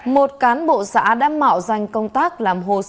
một cán bộ xã đã mạo danh công tác làm hồ sơ